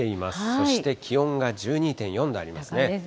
そして気温が１２．４度ありますね。